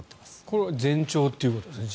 これは前兆ということですね。